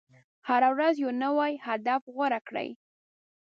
هره ورځ یو نوی هدف غوره کړئ.